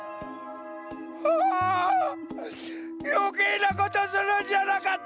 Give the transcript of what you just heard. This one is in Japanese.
ああよけいなことするんじゃなかった！